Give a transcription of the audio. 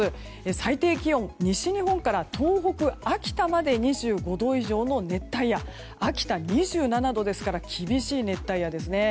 最低気温、西日本から東北・秋田まで２５度以上の熱帯夜秋田、２７度ですから厳しい熱帯夜ですね。